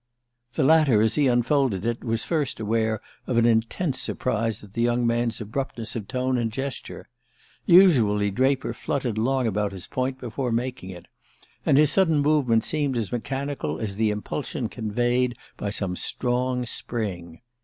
The latter, as he unfolded it, was first aware of an intense surprise at the young man's abruptness of tone and gesture. Usually Draper fluttered long about his point before making it; and his sudden movement seemed as mechanical as the impulsion conveyed by some strong spring.